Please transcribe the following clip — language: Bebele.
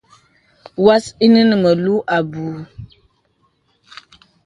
Pwas inə nə̀ mūl abù.